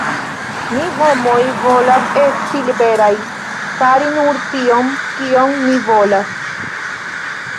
Ni homoj volas esti liberaj: fari nur tion, kion ni volas.